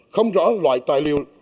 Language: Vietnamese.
không rõ loại tài liệu